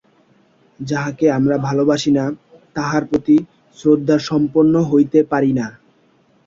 যাহাকে আমরা ভালবাসি না, তাহার প্রতি শ্রদ্ধাসম্পন্ন হইতে পারি না।